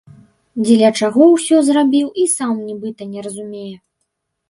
Дзеля чаго ўсё зрабіў, і сам нібыта не разумее.